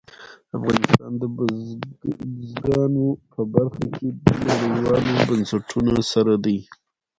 افغانستان د بزګانو په برخه کې نړیوالو بنسټونو سره دی.